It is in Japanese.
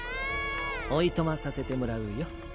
おいとまさせてもらうよ。